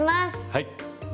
はい。